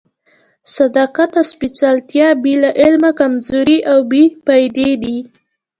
صداقت او سپېڅلتیا بې له علمه کمزوري او بې فائدې دي.